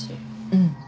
うん。